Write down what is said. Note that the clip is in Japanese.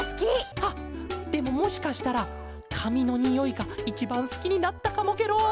あっでももしかしたらかみのにおいがいちばんすきになったかもケロ！